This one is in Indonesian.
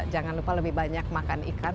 jangan lupa lebih banyak makan ikan